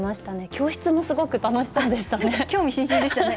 教室もすごく楽しそうでしたね。